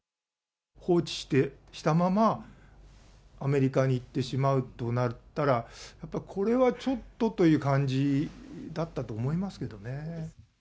放置したままアメリカに行ってしまうとなったら、やっぱりこれはちょっとという感じだったと思いますけどね。